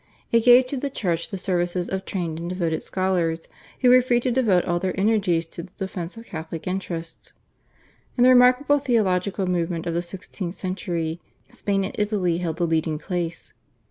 It gave to the Church the services of trained and devoted scholars, who were free to devote all their energies to the defence of Catholic interests. In the remarkable theological movement of the sixteenth century Spain and Italy held the leading place.